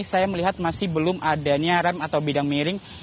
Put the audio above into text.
saya melihat masih belum adanya rem atau bidang miring